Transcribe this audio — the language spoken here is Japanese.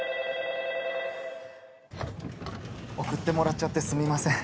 送ってもらっちゃってすみません。